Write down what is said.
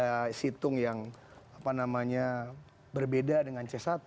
seperti situng yang apa namanya berbeda dengan c satu